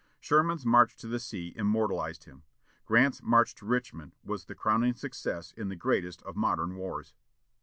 Sherman's march to the sea immortalized him; Grant's march to Richmond was the crowning success in the greatest of modern wars.